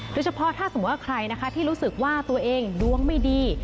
โดยเฉพาะถ้าสมมุติว่าใครนะคะที่รู้สึกว่าตัวเองดวงไม่ดี